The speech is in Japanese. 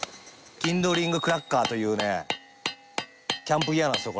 キンドリングクラッカーというねキャンプギアなんですよ